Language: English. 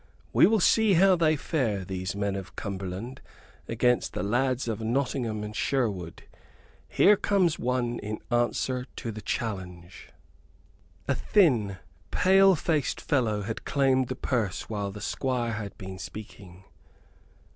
We will see how they fare, these men of Cumberland, against the lads of Nottingham and Sherwood. Here comes one in answer to the challenge." A thin, pale faced fellow had claimed the purse whilst the Squire had been speaking.